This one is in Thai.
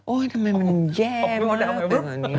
โอ๊ยทำไมมันแย่มาก